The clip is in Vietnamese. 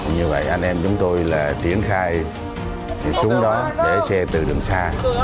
như vậy anh em chúng tôi tiến khai xuống đó để xe từ đường xa